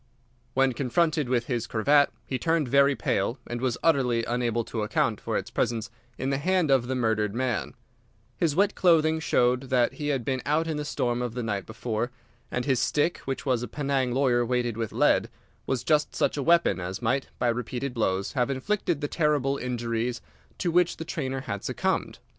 When confronted with his cravat, he turned very pale, and was utterly unable to account for its presence in the hand of the murdered man. His wet clothing showed that he had been out in the storm of the night before, and his stick, which was a Penang lawyer weighted with lead, was just such a weapon as might, by repeated blows, have inflicted the terrible injuries to which the trainer had succumbed.